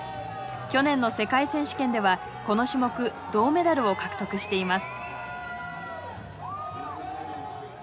去年の世界選手権ではこの種目銅メダルを獲得しています。